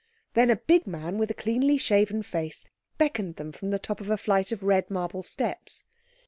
Then a big man, with a cleanly shaven face, beckoned them from the top of a flight of red marble steps.